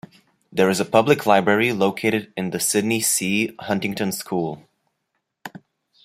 There is a public library located in the Sidney C. Huntington School.